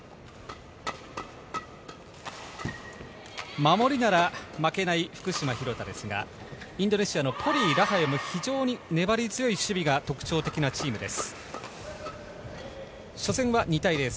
守りなら負けない福島・廣田ですが、インドネシアのポリイ、ラハユも非常に粘り強い守備が特徴的なチームです。